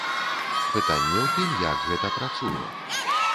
Пытанне ў тым, як гэта працуе.